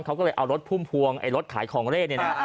เขาก็เลยเอารถพุ่มพวงไอ้รถขายของเล่นเนี่ยนะ